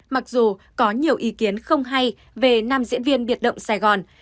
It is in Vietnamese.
mặc dù có nhiều ý kiến không hay về nam diễn viên biệt động sài gòn